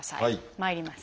まいります。